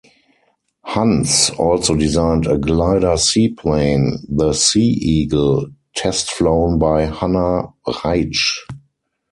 Hans also designed a glider-seaplane, the "Sea Eagle", test flown by Hanna Reitsch.